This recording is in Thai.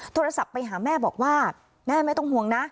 โทรศัพท์ไปหาแม่บอกว่าแม่ไม่ต้องห่วงนะ